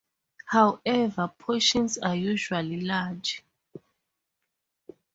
However, portions are usually large.